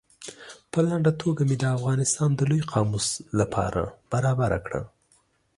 په لنډه توګه مې د افغانستان د لوی قاموس له پاره برابره کړه.